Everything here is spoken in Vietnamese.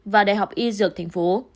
và đại học y dược thành phố